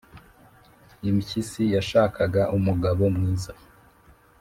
impyisi yashakaga umugabo mwiza.